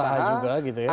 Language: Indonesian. pengusaha juga gitu ya